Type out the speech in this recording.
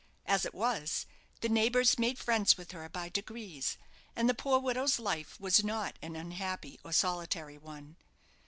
As it was, the neighbours made friends with her by degrees, and the poor widow's life was not an unhappy or solitary one.